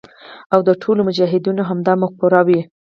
او د ټولو مجاهدینو همدا مفکوره وي.